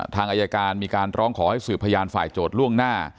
ทางอายการมีการร้องขอให้สื่อพยานฝ่ายโจทย์ล่วงหน้า